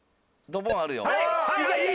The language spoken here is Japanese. ドボンあるよ。